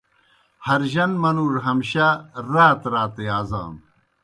یرجن منُوڙوْ ہمشہ رات رات یازانوْ۔